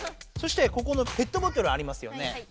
そしてここのペットボトルありますよね。